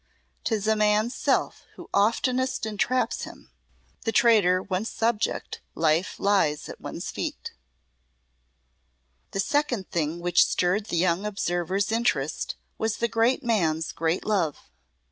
'Tis a man's self who oftenest entraps him. The traitor once subject, life lies at one's feet." The second thing which stirred the young observer's interest was the great man's great love.